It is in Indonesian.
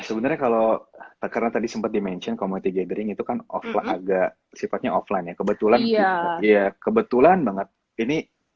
sebenarnya kalau karena tadi sempat di mention community gathering itu kan agak sifatnya offline ya kebetulan ya kebetulan banget ini